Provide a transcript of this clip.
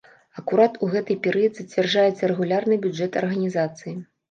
Акурат у гэты перыяд зацвярджаецца рэгулярны бюджэт арганізацыі.